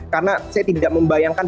karena saya tidak membayangkan